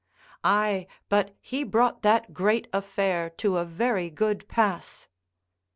"Ay, but he brought that great affair to a very good pass."